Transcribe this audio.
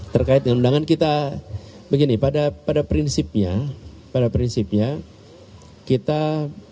terkait dengan undangan kita pada prinsipnya kita menginginkan agar proses ini berjalan tuntas